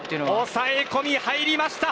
抑え込みに入りました。